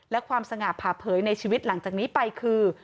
และความสง่าผ่าเผยในชีวิตหลังจากนี้ไปคือ